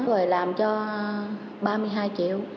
rồi làm cho ba mươi hai triệu